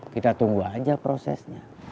kita tunggu aja prosesnya